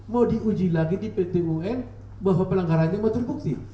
mau diuji lagi di pt un bahwa pelanggaran itu mau terbukti